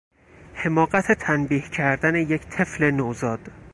حماقت تنبیه کردن یک طفل نوزاد